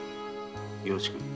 よろしく。